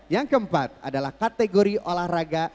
yang keempat adalah kategori olahraga